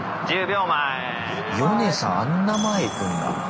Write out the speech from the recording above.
ヨネさんあんな前行くんだ。